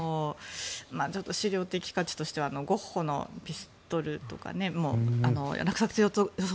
ちょっと資料的価値としてはゴッホの「ピストル」とか落札予想